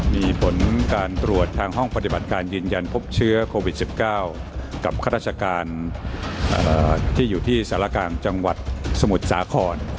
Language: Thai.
มีผลการตรวจทางห้องปฏิบัติการยืนยันพบเชื้อโควิด๑๙กับข้าราชการที่อยู่ที่สารกลางจังหวัดสมุทรสาคร